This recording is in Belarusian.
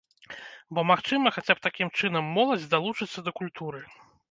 Бо, магчыма, хаця б такім чынам моладзь далучыцца да культуры.